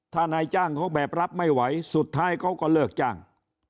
ถ้านายจ้างเขาแบบรับไม่ไหวสุดท้ายเขาก็เลิกจ้าง